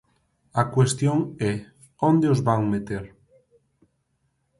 A cuestión é: ¿onde os van meter?